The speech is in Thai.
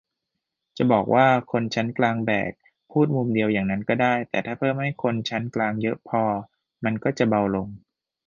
จะบอกว่า "คนชั้นกลางแบก" พูดมุมเดียวอย่างนั้นก็ได้ แต่ถ้าเพิ่มให้คนชั้นกลางเยอะพอ มันก็จะเบาลง